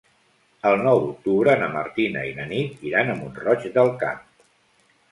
El nou d'octubre na Martina i na Nit iran a Mont-roig del Camp.